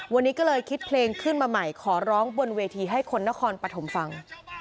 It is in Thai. วันนี้ก็เลยคิดเพลงขึ้นมาใหม่ขอร้องบนเวทีให้คนนครปฐมฟัง